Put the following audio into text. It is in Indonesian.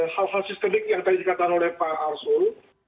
hal hal sistemik yang tadi dikatakan oleh pak arsul